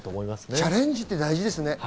チャレンジって大事ですね。